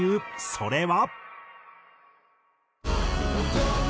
それは。